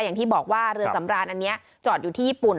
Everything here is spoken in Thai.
อย่างที่บอกว่าเรือสำรานอันนี้จอดอยู่ที่ญี่ปุ่น